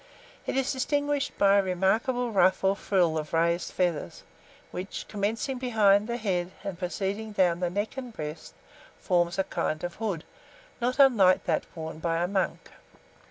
It is distinguished by a remarkable ruff or frill of raised feathers, which, commencing behind the head and proceeding down the neck and breast, forms a kind of hood, not unlike that worn by a monk.